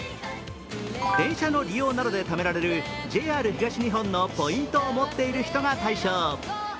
電車の利用などでためられるＪＲ東日本のポイントなどを持っている人が対象。